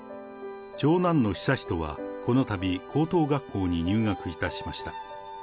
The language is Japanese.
長男の悠仁は、このたび高等学校に入学いたしました。